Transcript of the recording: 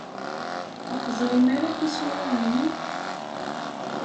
Ur teẓrim ara tisura-inu?